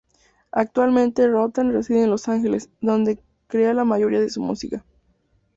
Actualmente Rotem reside en Los Ángeles, donde crea la mayoría de su música.